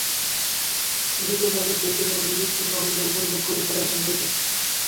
দ্বিতীয় মেয়াদের শেষ দিকে আমি বিচ্ছিন্ন হয়ে যাই, পদত্যাগ করি ফেডারেশন থেকে।